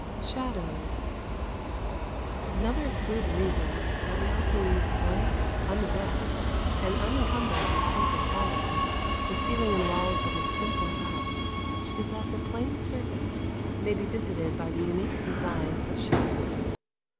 SHADOWS Another good reason that we ought to leave blank, unvexed, and unencumbered with paper patterns the ceiling and walls of a simple house is that the plain surface may be visited by the unique designs of shadows.